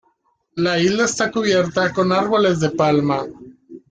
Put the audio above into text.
La isla está cubierta con árboles de palma.